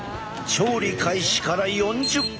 調理開始から４０分。